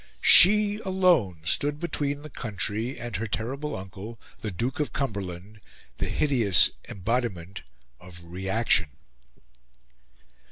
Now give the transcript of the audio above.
She alone stood between the country and her terrible uncle, the Duke of Cumberland, the hideous embodiment of reaction.